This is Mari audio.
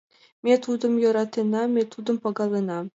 Ме тудым йӧратена, ме тудым пагалена.